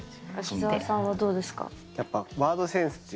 秋澤さんはどうですか？